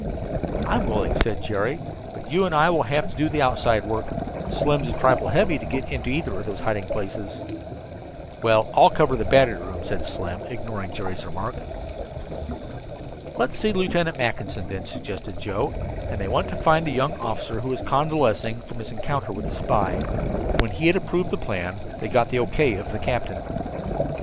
"I'm willing," said Jerry, "but you and I will have to do the outside work. Slim's a trifle heavy to get into either one of those hiding places." "Well, I'll cover the battery room," said Slim, ignoring Jerry's remark. "Let's see Lieutenant Mackinson, then," suggested Joe, and they went to find the young officer who was convalescing from his encounter with the spy. When he had approved the plan they got the O. K. of the captain.